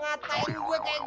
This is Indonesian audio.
apa lagi sih